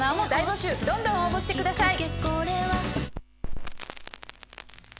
どんどん応募してください！